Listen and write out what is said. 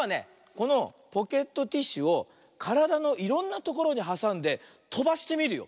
このポケットティッシュをからだのいろんなところにはさんでとばしてみるよ。